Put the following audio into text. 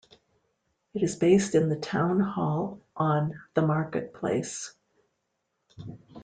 It is based in the town hall on the Market Place.